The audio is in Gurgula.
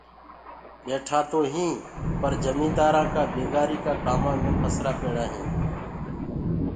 ٻيآ تو هيٚنٚ پر جميدآرآنٚ ڪآ بيگاري ڪآ ڪآمانٚ مي پهسرآ پيڙآ هيٚنٚ۔